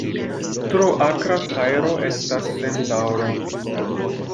Tro akra fajro estas sen daŭro.